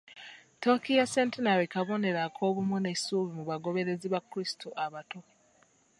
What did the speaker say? Tooki ya centenary kabonero ak'obumu n'essuubi mu bagoberezi ba Krisitu abato.